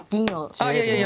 あいやいや。